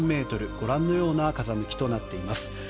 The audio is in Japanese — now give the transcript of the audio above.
ご覧のような風向きとなっています。